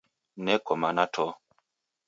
Neko mana to!